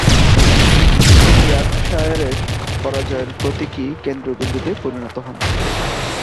তিনি ইয়র্কশায়ারের পরাজয়ের প্রতীকী কেন্দ্রবিন্দুতে পরিণত হন।